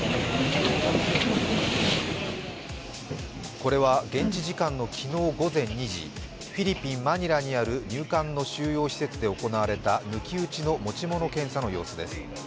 これは現地時間の昨日午前２時、フィリピン・マニラにある入管の収容施設で行われた抜き打ちの持ち物検査の様子です。